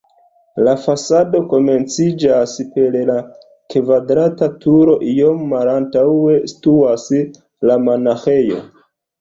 La fasado komenciĝas per la kvadrata turo, iom malantaŭe situas la monaĥejo.